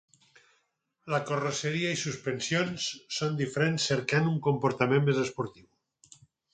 La carrosseria i suspensions són diferents cercant un comportament més esportiu.